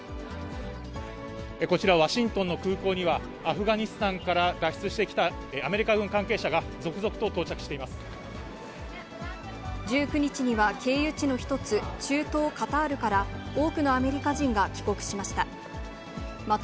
こちら、ワシントンの空港には、アフガニスタンから脱出してきたアメリカ軍関係者が続々と到着し１９日には経由地の一つ、中東カタールから多くのアメリカ人が帰国しました。